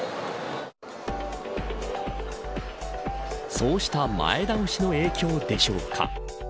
そうした前倒しの影響でしょうか。